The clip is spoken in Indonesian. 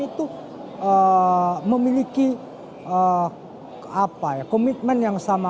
itu memiliki komitmen yang sama